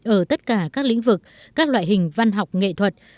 ở tất cả các lĩnh vực các loại hình văn học nghệ thuật